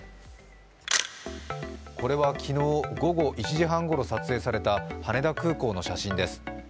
これは昨日午後１時半ごろ撮影された羽田空港の写真です。